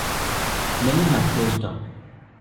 Many have closed down.